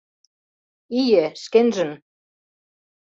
— Ие, шкенжын...